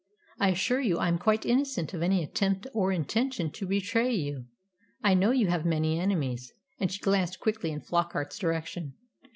I assure you I am quite innocent of any attempt or intention to betray you. I know you have many enemies;" and she glanced quickly in Flockart's direction.